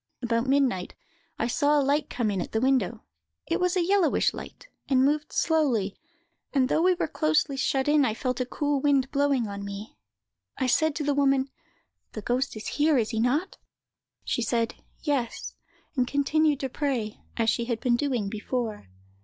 "About midnight I saw a light come in at the window; it was a yellowish light, and moved slowly; and though we were closely shut in, I felt a cool wind blowing on me. I said to the woman, 'The ghost is here, is he not?' She said 'Yes,' and continued to pray, as she had been doing before.